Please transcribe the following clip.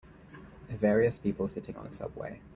Various people sitting on a subway.